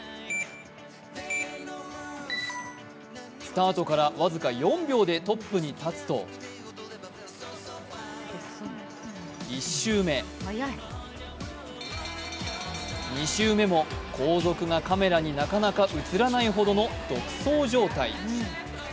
スタートから僅か４秒でトップに立つと１周目２周目も後続がカメラになかなか映らないほどの独走状態。